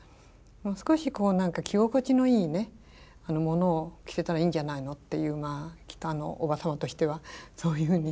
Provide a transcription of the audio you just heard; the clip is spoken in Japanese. もう少し着心地のいいものを着せたらいいんじゃないのっていうきっとおば様としてはそういうふうに。